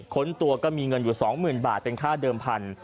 ขนตัวก็มีเงินอยู่สองหมื่นบาทเป็นค่าเดิมพัน